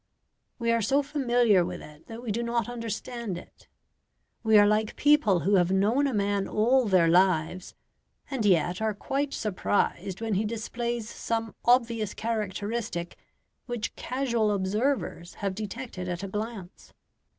We are so familiar with it that we do not understand it. We are like people who have known a man all their lives, and yet are quite surprised when he displays some obvious characteristic which casual observers have detected at a glance.